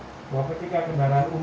bahwa ketika kendaraan umum